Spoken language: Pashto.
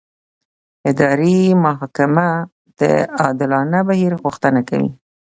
اداري محاکمه د عادلانه بهیر غوښتنه کوي.